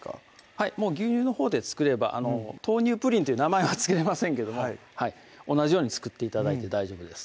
はいもう牛乳のほうで作れば「豆乳プリン」という名前は付けれませんけども同じように作って頂いて大丈夫です